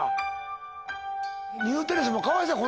ニューテレスもかわいそうや。